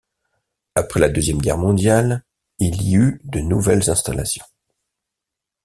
Après la Deuxième Guerre mondiale, il y eut de nouvelles installations.